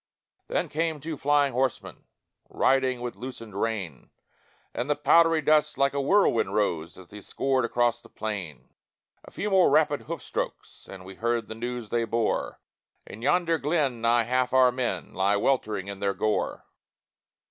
Then came two flying horsemen Riding with loosened rein, And the powdery dust like a whirlwind rose As they scoured across the plain; A few more rapid hoof strokes, And we heard the news they bore "In yonder glen nigh half our men Lie weltering in their gore!